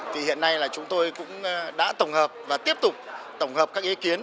thì hiện nay là chúng tôi cũng đã tổng hợp và tiếp tục tổng hợp các ý kiến